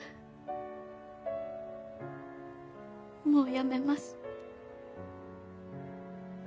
もう辞めます